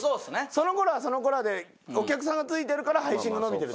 その子らはその子らでお客さんがついてるから配信が伸びてる。